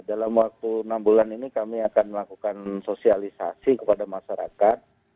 dalam waktu enam bulan ini kami akan melakukan sosialisasi kepada masyarakat